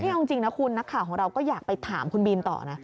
เอาจริงนะคุณนักข่าวของเราก็อยากไปถามคุณบีมต่อนะ